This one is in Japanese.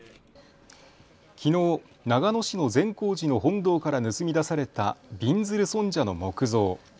きのう長野市の善光寺の本堂から盗み出されたびんずる尊者の木像。